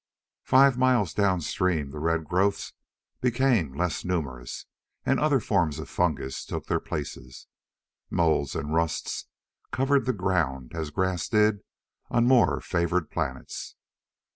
Five miles downstream, the red growths became less numerous and other forms of fungus took their places. Moulds and rusts covered the ground as grass did on more favored planets.